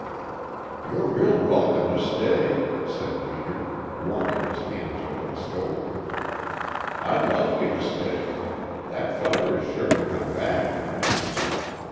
"You 're real welcome to stay," said Peter, warming his hands over the stove. "I'd like you to stay. That feller is sure to come back."